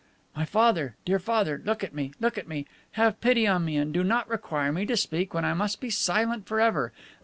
"My father! Dear Father! Look at me! Look at me! Have pity on me, and do not require me to speak when I must be silent forever.